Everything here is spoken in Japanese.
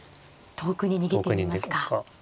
遠くに行ってみますか。